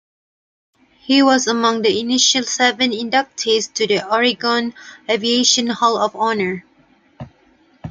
He was among the initial seven inductees to the Oregon Aviation Hall of Honor.